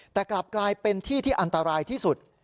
แต่กลับกลายเป็นที่ที่อันตรายที่สุด